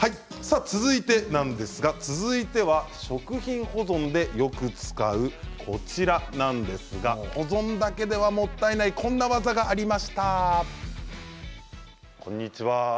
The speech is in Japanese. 続いては食品保存でよく使うこちらなんですが、保存だけではもったいないこんな技がありました。